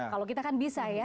kalau kita kan bisa ya